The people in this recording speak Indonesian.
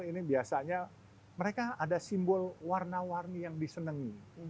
ini biasanya mereka ada simbol warna warni yang disenangi